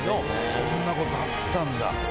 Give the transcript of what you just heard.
こんなことあったんだ。